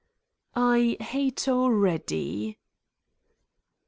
..." "I hate already."